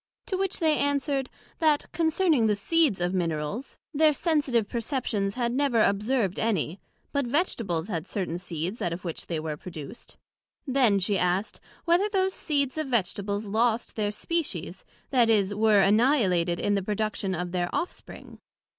To which they answered, That concerning the seeds of Minerals, their sensitive perceptions had never observed any; but Vegetables had certain seeds out of which they were produced. Then she asked, whether those seeds of Vegetables lost their Species, that is, were annihilated in the production of their off spring?